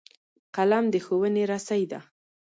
قلم د ښوونې رسۍ ده